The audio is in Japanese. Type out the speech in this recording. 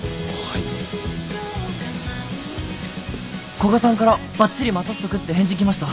古賀さんからばっちり待たせとくって返事来ました。